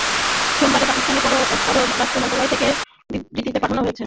সোমবারই পাকিস্তানের পররাষ্ট্র মন্ত্রণালয় থেকে বিবৃতিতে পাঠানকোটে হামলার নিন্দা করা হয়েছিল।